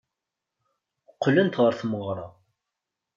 Qqlent ɣer tmeɣra.